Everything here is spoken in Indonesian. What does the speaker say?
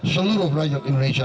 seluruh rakyat indonesia